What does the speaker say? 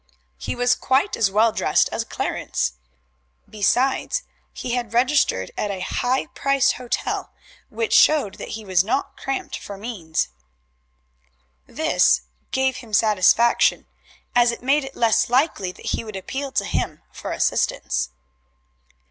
He was quite as well dressed as Clarence. Besides, he had registered at a high priced hotel, which showed that he was not cramped for means. This gave him satisfaction, as it made it less likely that he would appeal to him for assistance.